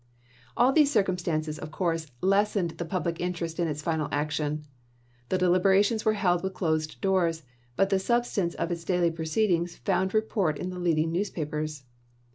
All these circumstances, of course, lessened the public interest in its final action. The delibera tions were held with closed doors; but the sub stance of its daily proceedings found report in the leading newspapers.